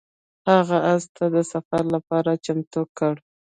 هغه اس ته د سفر لپاره چمتو کړ.